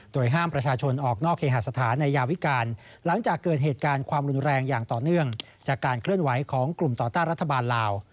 โดยห้ามประชาชนออกนอกเคหาสถานในยาวิการหลังจากเกิดเหตุการณ์ความรุนแรงอย่างต่อเนื่องจากการเคลื่อนไหวของกลุ่มต่อต้านรัฐบาลลาว